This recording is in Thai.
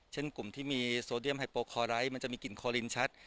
เช่นกลุ่มที่มีโซเดียมไฮโปคอไร้มันจะมีกลิ่นคอลินชัด